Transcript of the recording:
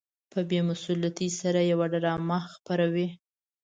په بې مسؤليتۍ سره يوه ډرامه خپروي.